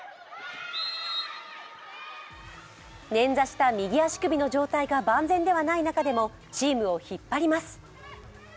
捻挫した右足首の状態が万全ではない中でもチームを引っ張ります。